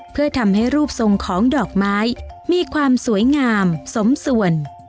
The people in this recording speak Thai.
เพื่อทำให้รูปทรงของดอกไม้มีความสวยงามสมส่วน